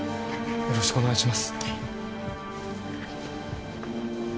よろしくお願いします